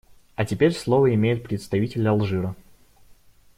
А теперь слово имеет представитель Алжира.